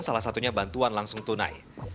salah satunya bantuan langsung tunai